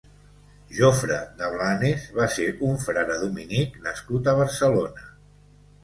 Jofré de Blanes va ser un frare dominic nascut a Barcelona.